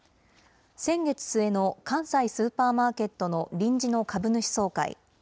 先月末の関西スーパーマーケットの臨時の株主総会。